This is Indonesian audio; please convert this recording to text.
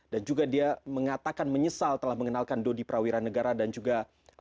juga dia mengatakan menyesal telah mengenalkan dodi prawira negara dan juga